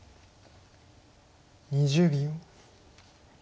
２０秒。